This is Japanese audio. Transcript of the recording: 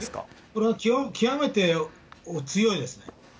これは極めて強いですね。